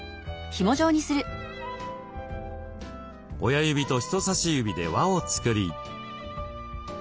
親指と人さし指で輪を作り。